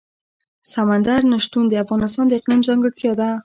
سمندر نه شتون د افغانستان د اقلیم ځانګړتیا ده.